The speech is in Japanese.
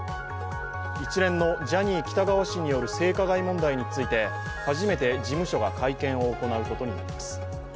一連のジャニー喜多川氏による性加害問題について初めて事務所が会見を行うことになります。